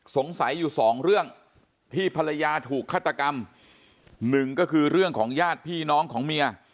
สงสัยอยู่สองเรื่องที่ภรรยาถูกฆาตกรรมหนึ่งก็คือเรื่องของญาติพี่น้องของเมีย